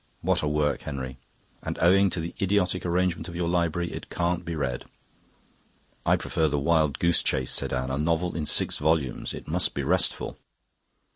What a work, Henry! And, owing to the idiotic arrangement of your library, it can't be read." "I prefer the 'Wild Goose Chase'," said Anne. "A novel in six volumes it must be restful."